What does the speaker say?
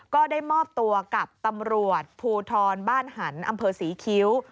ก็ได้มอบตัวกับตำรวจภูทรบ้านหันอำเภอศรีคิ้ว